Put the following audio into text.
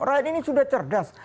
rakyat ini sudah cerdas